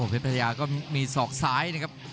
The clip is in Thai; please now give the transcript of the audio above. เพชรพัทยาก็มีศอกซ้ายนะครับ